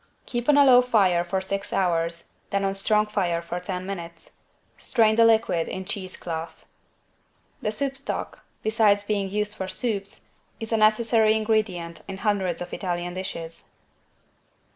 Keep on a low fire for six hours, then on a strong fire for ten minutes. Strain the liquid in cheese cloth. The soup stock, besides being used for soups, is a necessary ingredient in hundreds of Italian dishes.